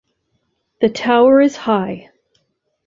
The tower is high.